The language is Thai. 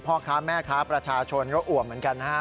พ่อค้าแม่ค้าประชาชนก็อ่วมเหมือนกันนะฮะ